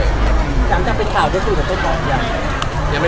คุณจำจะเป็นข่าวที่คุณจะต้องบอกอย่างไง